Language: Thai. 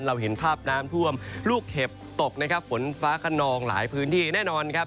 เห็นภาพน้ำท่วมลูกเห็บตกนะครับฝนฟ้าขนองหลายพื้นที่แน่นอนครับ